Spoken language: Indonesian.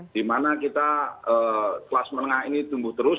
di mana kita kelas menengah ini tumbuh terus